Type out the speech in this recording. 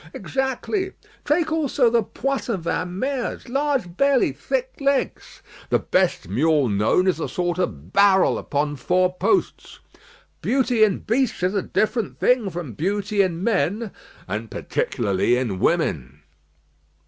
"Exactly. Take also the Poitevin mares; large belly, thick legs." "The best mule known is a sort of barrel upon four posts." "Beauty in beasts is a different thing from beauty in men." "And particularly in women."